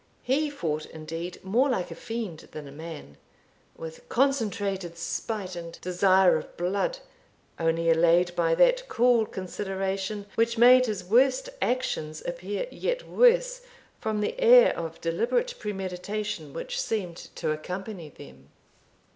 He fought, indeed, more like a fiend than a man with concentrated spite and desire of blood, only allayed by that cool consideration which made his worst actions appear yet worse from the air of deliberate premeditation which seemed to accompany them.